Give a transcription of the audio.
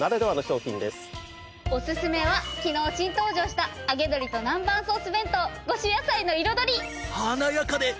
オススメは昨日新登場した揚げ鶏と南蛮ソース弁当５種野菜の彩り！